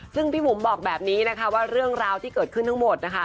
ซึ่งพี่บุ๋มบอกแบบนี้นะคะว่าเรื่องราวที่เกิดขึ้นทั้งหมดนะคะ